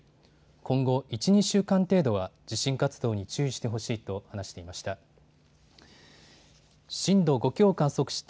今後１、２週間程度は地震活動に注意してほしいと話していました。